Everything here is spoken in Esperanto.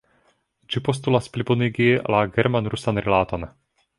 Ĝi postulas plibonigi la german-rusan rilaton.